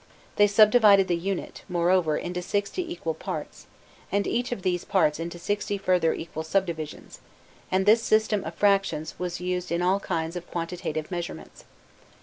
They subdivided the unit, moreover, into sixty equal parts, and each of these parts into sixty further equal subdivisions, and this system of fractions was used in all kinds of quantitive measurements.